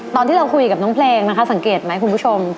ตอนที่เราคุยกับน้องเพลงนะคะสังเกตไหมคุณผู้ชม